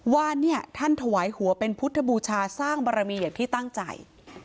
ว่าเนี่ยท่านถวายหัวเป็นพุทธบูชาสร้างบารมีอย่างที่ตั้งใจ